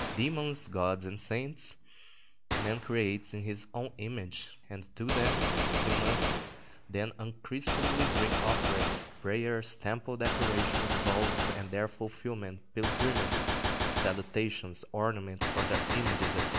Demons, gods, and saints man creates in his own image; and to them he must then unceasingly bring offerings, prayers, temple decorations, vows and their fulfilment, pilgrimages, salutations, ornaments for their images, &c.